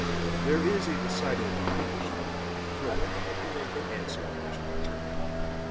"There is a decided Irish flavor to Tobin," answered Ashton Kirk.